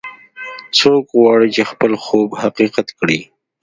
څوک غواړي چې خپل خوب حقیقت کړي